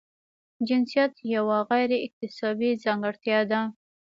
جنسیت یوه غیر اکتسابي ځانګړتیا ده.